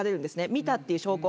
見たっていう証拠。